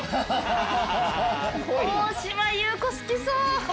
大島優子好きそう。